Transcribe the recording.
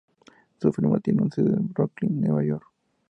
Su firma tiene su sede en Brooklyn, Nueva York.